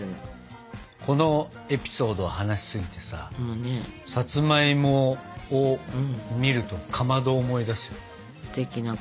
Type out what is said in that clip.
このエピソードを話しすぎてささつまいもを見るとかまどを思い出すよね。